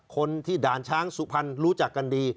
คนที่ด่านช้างสุพรรณรู้จักกันดี